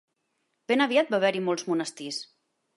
Ben aviat va haver-hi molts monestirs.